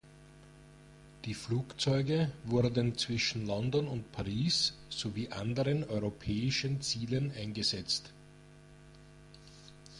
Die Flugzeuge wurden zwischen London und Paris sowie anderen europäischen Zielen eingesetzt.